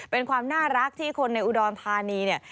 เป็นความน่ารักที่คนในอุดรธานีเนี่ย